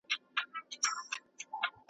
له هر لوري یې کوله صحبتونه .